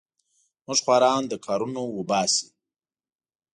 موږ خواران له کارونو وباسې.